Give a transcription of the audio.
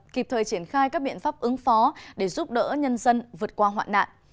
kịp thời triển khai các biện pháp ứng phó để giúp đỡ nhân dân vượt qua hoạn nạn